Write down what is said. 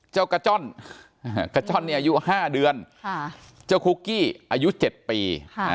กระจ้อนกระจ้อนเนี่ยอายุ๕เดือนเจ้าคุกกี้อายุ๗ปี